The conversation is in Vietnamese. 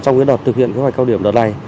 trong đợt thực hiện các hoạt cao điểm đợt này